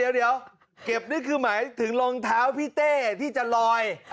เดี๋ยวเก็บนี่คือหมายถึงรองเท้าพี่เต้ที่จะลอย